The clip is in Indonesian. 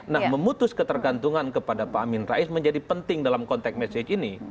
nah memutus ketergantungan kepada pak amin rais menjadi penting dalam konteks message ini